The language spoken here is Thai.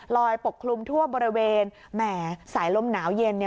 ปกคลุมทั่วบริเวณแหมสายลมหนาวเย็นเนี่ย